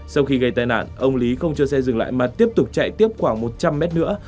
sau khi gây tai nạn ông lý không cho xe dừng lại mà tiếp tục chạy tiếp khoảng một trăm linh mét nữa